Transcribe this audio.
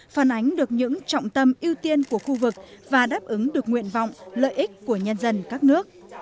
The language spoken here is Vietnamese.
phản ánh được những trọng tâm ưu tiên của khu vực và đáp ứng được nguyện vọng lợi ích của nhân dân các nước